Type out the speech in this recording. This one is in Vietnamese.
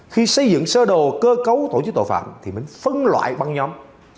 khi xây dựng cơ sơ đồ cơ cấu tổ chức tội phạm thì mới phân loại băng nhóm